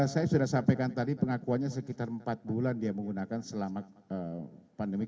saya sudah sampaikan tadi pengakuannya sekitar empat bulan dia menggunakan selama pandemi